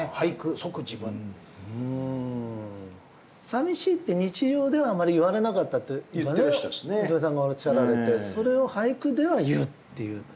さみしいって日常ではあまり言われなかったって娘さんがおっしゃられてそれを俳句では言うっていう。